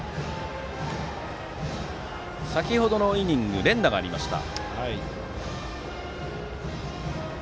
先程のイニング連打がありました。